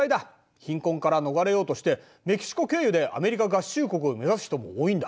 貧困から逃れようとしてメキシコ経由でアメリカ合衆国を目指す人も多いんだ。